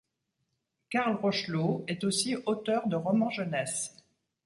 Carl Rocheleau est aussi auteur de romans jeunesse.